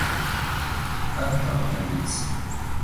Как этого добиться?